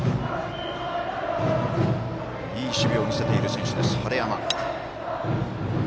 いい守備を見せている選手です、晴山。